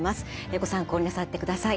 ご参考になさってください。